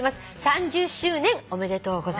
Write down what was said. ３０周年おめでとうございます」と。